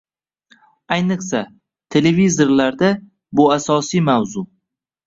Ayniqsa, televizorda - bu asosiy mavzu